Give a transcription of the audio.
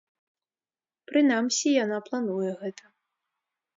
Прынамсі, яна плануе гэта.